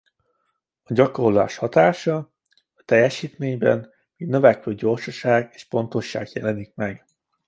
A gyakorlás hatása a teljesítményben mint növekvő gyorsaság és pontosság jelenik meg.